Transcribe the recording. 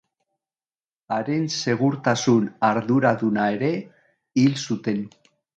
Haren segurtasun arduraduna ere hil zuten.